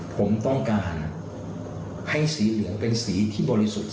ผมต้องการให้สีเหลืองเป็นสีที่บริสุทธิ์